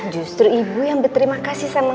justru ibu yang berterima kasih sama